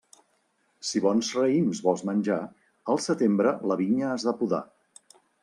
Si bons raïms vols menjar, al setembre la vinya has de podar.